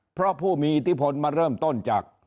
เพราะผู้มีอิทธิพลมาเริ่มต้นจาก